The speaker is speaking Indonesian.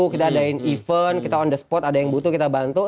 kita adain event kita on the spot ada yang butuh kita bantu